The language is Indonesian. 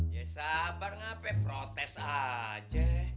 ya sabar ngapain protes aja